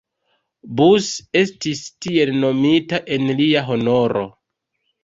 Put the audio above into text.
Bus, estis tiel nomita en lia honoro.